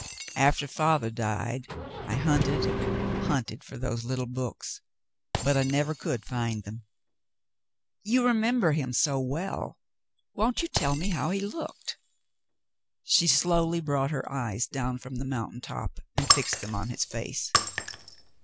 "After father died I hunted and hunted for those little books, but I never could find them." " You remember him so well, won't you tell me how he looked ?" She slowly brought her eyes down from the mountain top and fixed them on his face.